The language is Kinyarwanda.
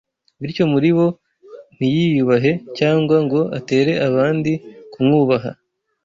bityo muri wo ntiyiyubahe cyangwa ngo atere abandi kumwubaha